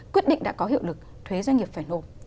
quyết định đã có hiệu lực thuế doanh nghiệp phải nộp